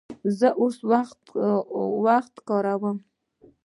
زه اوسنی وخت کاروم.